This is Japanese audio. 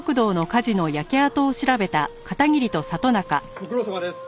ご苦労さまです。